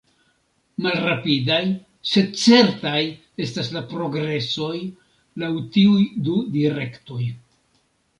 Malrapidaj, sed certaj, estas la progresoj, laŭ tiuj du direktoj.